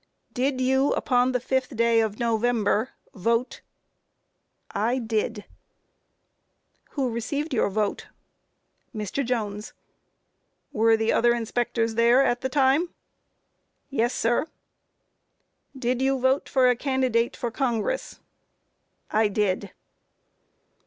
Q. Did you, upon the 5th day of November, vote? A. I did. Q. Who received your vote? A. Mr. Jones. Q. Were the other inspectors there at the time? A. Yes, sir. Q. Did you vote for a candidate for Congress? A. I did.